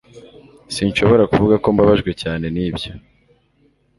Sinshobora kuvuga ko mbabajwe cyane nibyo